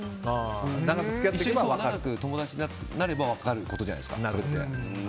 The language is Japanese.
長く友達になれば分かることじゃないですか。